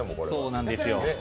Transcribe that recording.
そうなんですよ。